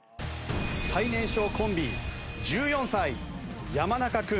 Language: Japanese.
最年少コンビ１４歳山中君